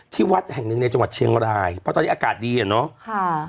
วัดแห่งหนึ่งในจังหวัดเชียงรายเพราะตอนนี้อากาศดีอ่ะเนาะค่ะ